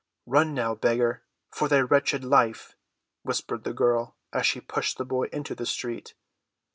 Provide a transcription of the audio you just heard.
"Run, now, beggar, for thy wretched life," whispered the girl, as she pushed the boy into the street.